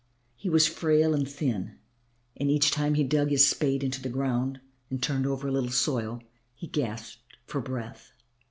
He was frail and thin and each time he dug his spade into the ground and turned over a little soil, he gasped for breath.